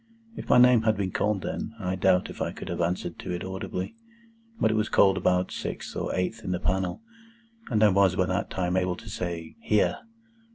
If my name had been called then, I doubt if I could have answered to it audibly. But it was called about sixth or eighth in the panel, and I was by that time able to say, "Here!"